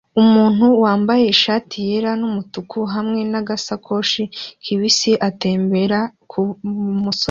Umuntu wambaye ishati yera numutuku hamwe nagasakoshi kibisi atembera kumusozi